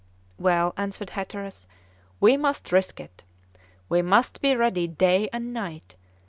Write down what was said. "Well," answered Hatteras, "we must risk it. We must be ready day and night.